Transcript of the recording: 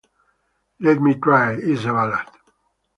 "Let Me Try" is a ballad.